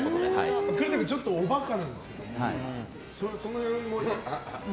栗田君、おバカなんですけどその辺も。